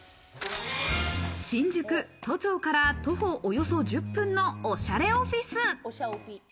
新宿・都庁から徒歩およそ１０分のおしゃれオフィス。